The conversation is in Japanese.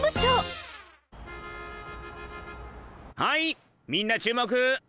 はいみんな注目！